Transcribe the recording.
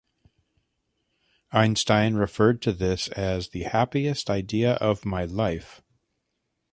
Einstein referred to this as "the happiest idea of my life".